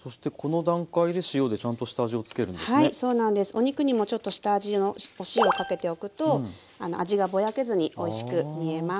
お肉にもちょっと下味のお塩をかけておくと味がぼやけずにおいしく煮えます。